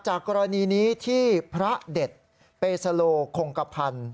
กรณีนี้ที่พระเด็ดเปสโลคงกระพันธ์